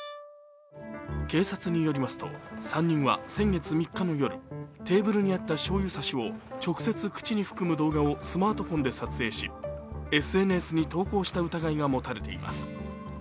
警察によりますと３人は先月３日の夜、テーブルにあったしょうゆ差しを直接口に含む動画をスマートフォンで撮影し、ＳＮＳに投稿した疑いが持たれています。